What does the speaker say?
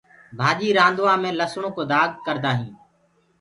ڀآڃي رآندوآ مي لسڻو ڪو دآگ ڪردآ هينٚ۔